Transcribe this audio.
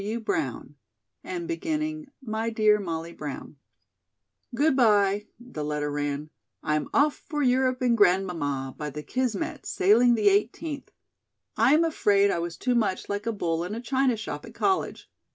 C. W. Brown," and beginning: "My Dear Molly Brown." "Good bye," the letter ran. "I'm off for Europe and Grandmamma, by the Kismet, sailing the eighteenth. I am afraid I was too much like a bull in a china shop at college.